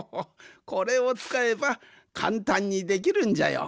これをつかえばかんたんにできるんじゃよ。